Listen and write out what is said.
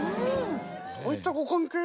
どういったご関係で？